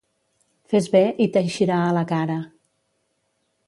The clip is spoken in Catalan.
Fes bé i t'eixirà a la cara.